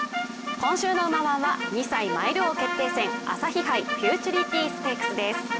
今週の「うま☆わん」は２歳マイル王決定戦朝日杯フューチュリティステークスです